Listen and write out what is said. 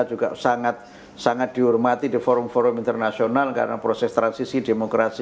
juga sangat sangat dihormati di forum forum internasional karena proses transisi demokrasi